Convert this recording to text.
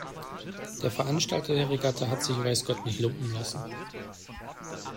Der Veranstalter der Regatta hat sich weiß Gott nicht lumpen lassen.